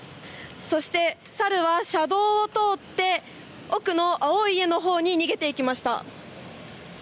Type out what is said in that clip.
そしてサルは車道を通って奥の青い家の方に逃げていきました。